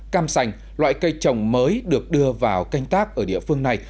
cam sành loại cây trồng mới được đưa vào canh tác ở địa phương này